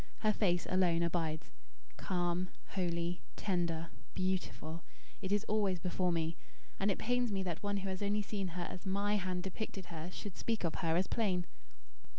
Her face alone abides; calm, holy, tender, beautiful, it is always before me. And it pains me that one who has only seen her as MY hand depicted her should speak of her as plain."